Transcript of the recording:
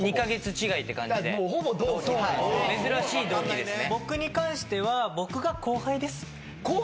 珍しい同期ですね。